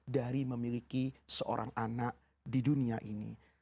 dari memiliki seorang anak di dunia ini